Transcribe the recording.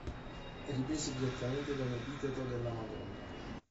È ripreso direttamente da un epiteto della Madonna.